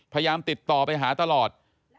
พยายามติดต่อไปหาตลอด